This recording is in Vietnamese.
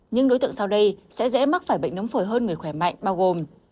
những đối tượng sau đây sẽ dễ mắc phải bệnh nấm phổi hơn người khỏe mạnh bao gồm